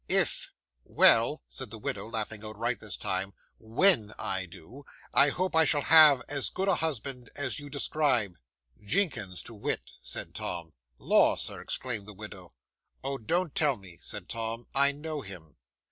"If " "Well," said the widow, laughing outright this time, "_when _I do, I hope I shall have as good a husband as you describe." '"Jinkins, to wit," said Tom. '"Lor, sir!" exclaimed the widow. '"Oh, don't tell me," said Tom, "I know him."